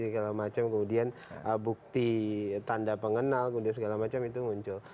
kemudian bukti tanda pengenal kemudian segala macam itu muncul